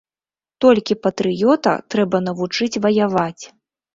Толькі патрыёта трэба навучыць ваяваць.